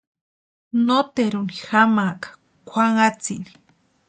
Noteruni jamaaka kwʼanhatsini.